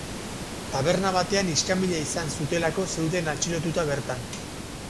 Taberna batean iskanbila izan zutelako zeuden atxilotuta bertan.